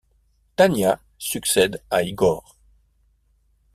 Tanya succède à Igor.